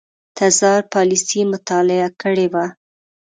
تزار پالیسي مطالعه کړې وه.